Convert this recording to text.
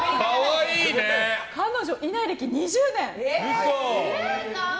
彼女いない歴２０年。